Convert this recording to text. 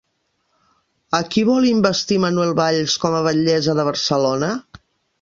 A qui vol investir Manuel Valls com a batllessa de Barcelona?